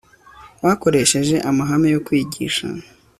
bakoresheje amahame yo kwigisha